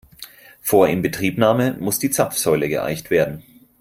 Vor Inbetriebnahme muss die Zapfsäule geeicht werden.